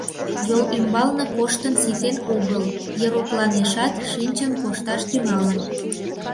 Йол ӱмбалне коштын ситен огыл, еропланешат шинчын кошташ тӱҥалын.